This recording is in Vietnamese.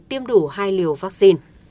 tiêm đủ hai liều vaccine